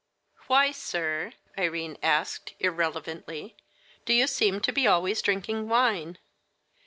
"Why, sir," Irene asked irrelevantly, "do you seem to be always drinking wine?"